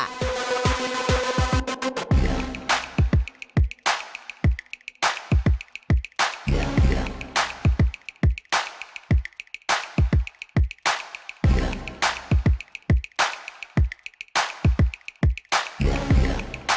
dan kelincahan dalam menggiring dan membawa bola